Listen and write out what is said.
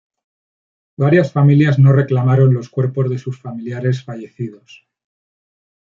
Varias familias no reclamaron los cuerpos de sus familiares fallecidos.